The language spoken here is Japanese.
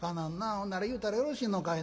ほんなら言うたらよろしいのかいな。